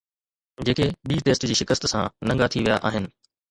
جيڪي ٻئي ٽيسٽ جي شڪست سان ننگا ٿي ويا آهن